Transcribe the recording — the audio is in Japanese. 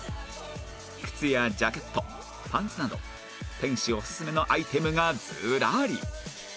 靴やジャケットパンツなど店主おすすめのアイテムがずらり